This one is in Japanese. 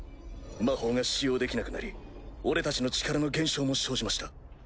魔法が使用できなくなり俺たちの力の減少も生じました。